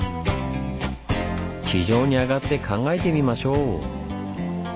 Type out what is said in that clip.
地上に上がって考えてみましょう。